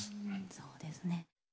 そうですね。